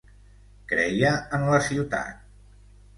Creia en la ciutat.